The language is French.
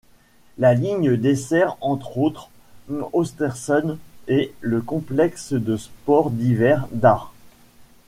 La ligne dessert entre autres Östersund et le complexe de sport d'hiver d'Åre.